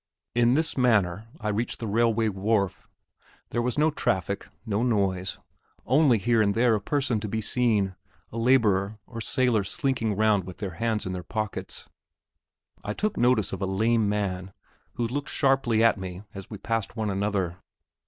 In this manner, I reached the railway wharf. There was no traffic, no noise only here and there a person to be seen, a labourer or sailor slinking round with their hands in their pockets. I took notice of a lame man, who looked sharply at me as we passed one another.